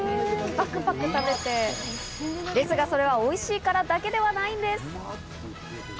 ですがそれは、おいしいからだけではないんです。